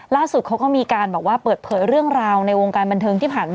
ล่าสุดเขาก็มีการเปิดเผยเรื่องราวในวงการบันเทิงที่ผ่านมา